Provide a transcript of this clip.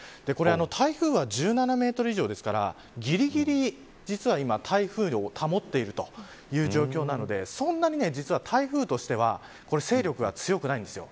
台風は１７メートル以上ですからぎりぎり実は台風を保っているという状況なのでそんなに、実は台風としては勢力が強くないんです。